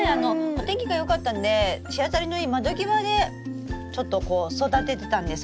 お天気が良かったんで日当たりのいい窓際でちょっとこう育ててたんです